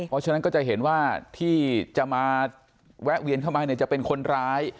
เพราะฉะนั้นก็จะเห็นว่าที่จะมาแวะเวียนเข้ามาเนี่ยจะเป็นคนร้าย